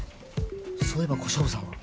そういえば小勝負さんは？